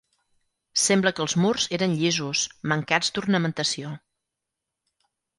Sembla que els murs eren llisos, mancats d'ornamentació.